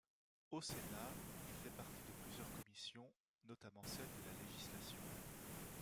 Au Sénat, il fait partie de plusieurs commissions, notamment celle de la législation.